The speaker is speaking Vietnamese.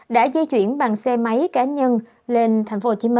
đã di chuyển bằng xe máy cá nhân lên tp hcm